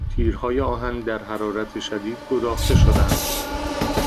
تیرهای آهن در حررات شدید گداخته شدند.